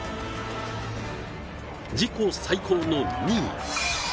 自己最高の２位。